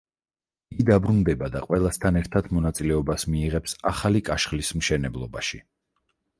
იგი დაბრუნდება და ყველასთან ერთად მონაწილეობას მიიღებს ახალი კაშხლის მშენებლობაში.